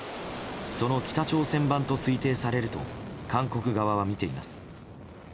その北朝鮮版と推定されると韓国側はみています。